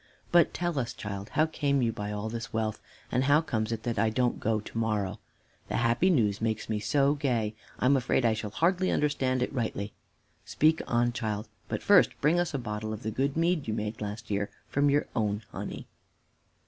But tell us, child, how came you by all this wealth, and how comes it that I don't go to morrow? The happy news makes me so gay, I'm afraid I shall hardly understand it rightly. Speak on, child but first bring us a bottle of the good mead you made last year from your own honey."